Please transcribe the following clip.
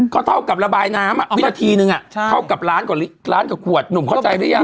ก็เท่ากับระบายน้ำวินาทีนึงเท่ากับล้านกว่าขวดหนุ่มเข้าใจหรือยัง